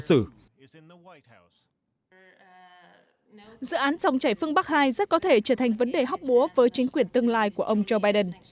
dự án dòng chảy phương bắc hai rất có thể trở thành vấn đề hóc búa với chính quyền tương lai của ông joe biden